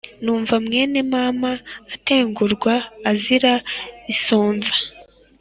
Numva mwene mama Atengurwa azira isonza